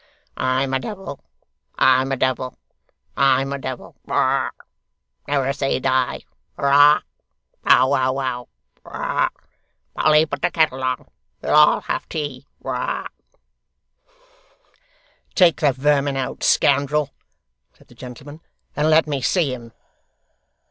'I'm a devil I'm a devil I'm a devil, Never say die Hurrah Bow wow wow, Polly put the kettle on we'll all have tea.' 'Take the vermin out, scoundrel,' said the gentleman, 'and let me see him.